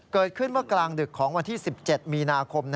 เกิดขึ้นเมื่อกลางดึกของวันที่๑๗มีนาคม